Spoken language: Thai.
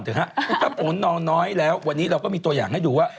ถ้าผลนอนน้อยแล้ววันนี้เราก็มีตัวอย่างให้ดูว่า